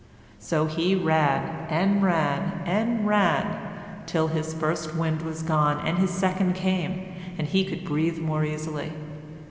So he ran and ran and ran till his first wind was gone and his second came, and he could breathe more easily.